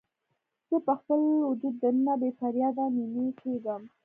زه په خپل وجود دننه بې فریاده نینې کیږم